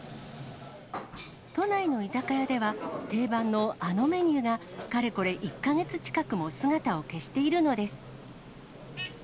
都内の居酒屋では、定番のあのメニューが、かれこれ１か月近くも姿を消しているのです。